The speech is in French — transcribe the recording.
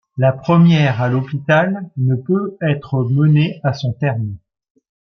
La première, à l'hôpital, ne peut être menée à son terme.